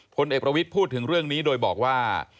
พลเอกประวิทย์พูดถึงเรื่องนี้โดยบอกว่า